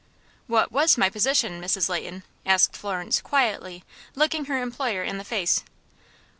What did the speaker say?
"What was my position, Mrs. Leighton?" asked Florence, quietly, looking her employer in the face.